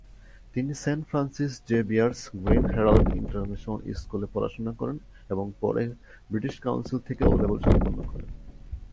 তিনি Saint Francis Xavier's Green Herald International স্কুলে পড়াশুনা করেন এবং পরে ব্রিটিশ কাউন্সিল থেকে "ও" লেভেল সম্পন্ন করেন।